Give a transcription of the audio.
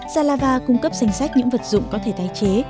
ralava cung cấp danh sách những vật dụng có thể tái chế